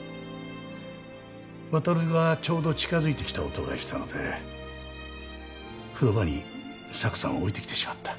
渉がちょうど近づいてきた音がしたので風呂場にサクさんを置いてきてしまった。